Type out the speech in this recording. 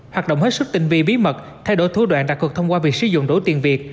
hoạt động hết sức tình vi bí mật thay đổi thủ đoạn đặc thực thông qua việc sử dụng đổ tiền việt